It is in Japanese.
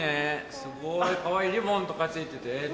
すごいかわいいリボンとか着いてて。